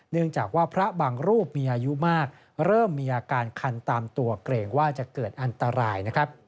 เนื่องจากว่าพระบางรูปมีอายุมากเริ่มมีอาการคันตามตัวเกรงว่าจะเกิดอันตรายนะครับ